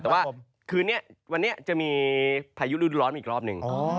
แต่ว่าคืนนี้วันนี้จะมีพายุฤดูร้อนอีกรอบหนึ่ง